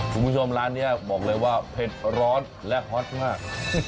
คุณผู้ชมร้านนี้บอกเลยว่าเผ็ดร้อนและฮอตมาก